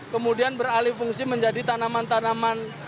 kemudian beralih fungsi menjadi tanaman tanaman